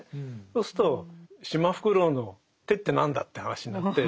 そうするとシマフクロウの手って何だって話になって。